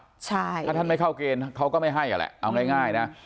ถ้าท่านไม่เข้าเกณฑ์เขาก็ไม่ให้อ่ะแหละเอาง่ายนะ